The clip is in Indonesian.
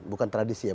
bukan tradisi ya